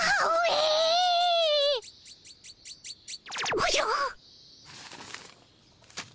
おじゃっ。